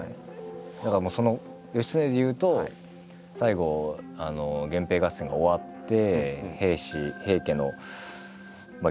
だから義経でいうと最後源平合戦が終わって平家のまあ